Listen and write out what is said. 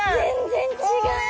全然違う。